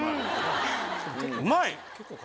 うまい！